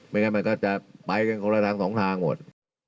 งั้นมันก็จะไปกันคนละทางสองทางหมด